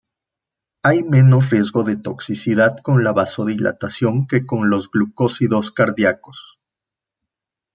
Hay menos riesgo de toxicidad con la vasodilatación que con los glucósidos cardíacos.